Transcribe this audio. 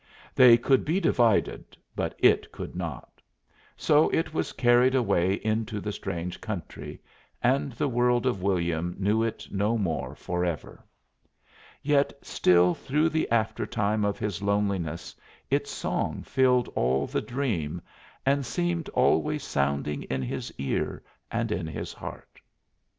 They could be divided, but it could not, so it was carried away into the strange country, and the world of William knew it no more forever. Yet still through the aftertime of his loneliness its song filled all the dream, and seemed always sounding in his ear and in his heart.